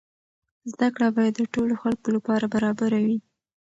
زده کړه باید د ټولو خلکو لپاره برابره وي.